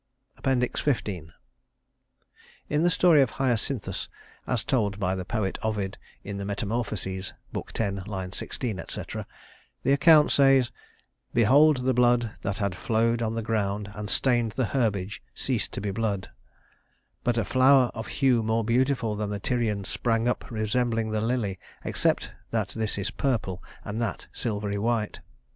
XV In the story of Hyacinthus, as told by the poet Ovid in the "Metamorphoses" (Book 10, line 16, etc.) the account says: "Behold the blood that had flowed on the ground and stained the herbage ceased to be blood; but a flower of hue more beautiful than the Tyrian sprang up resembling the lily, except that this is purple and that silvery white."